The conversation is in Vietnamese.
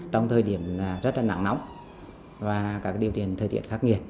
trong thời điểm rất là nắng nóng và các điều thiện thời tiện khắc nghiệt